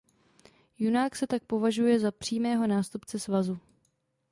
Junák se tak považuje za přímého nástupce Svazu.